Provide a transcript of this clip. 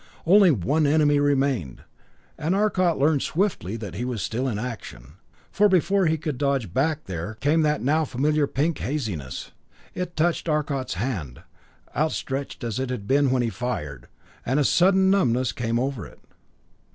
Only one enemy remained; and Arcot learned swiftly that he was still in action, for before he could dodge back there came that now familiar pink haziness. It touched Arcot's hand, outstretched as it had been when he fired, and a sudden numbness came over it.